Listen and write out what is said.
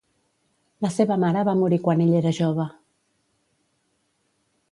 La seva mare va morir quan ell era jove.